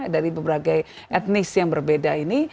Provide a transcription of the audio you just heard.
dari beberapa etnis yang berbeda ini